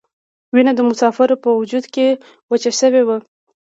وینه د مسافرو په وجود کې وچه شوې وه.